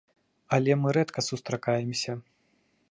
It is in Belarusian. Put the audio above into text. Але мы рэдка сустракаемся.